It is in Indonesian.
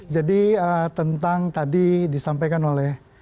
jadi tentang tadi disampaikan oleh pak jogi